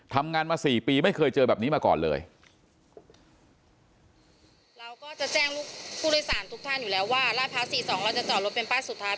พร้าวที่สี่สองเราจะตอบรถเป็นบ้านสุดท้าย